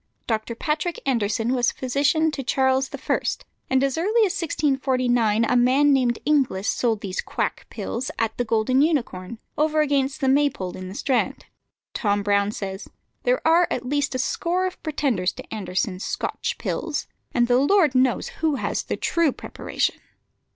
Dr. Patrick Anderson was physician to Charles I., and as early as 1649 a man named Inglis sold these quack pills at the Golden Unicorn, over against the Maypole in the Strand. Tom Brown says, "There are at least a score of pretenders to Anderson's Scotch pills, and the Lord knows who has the true preparation."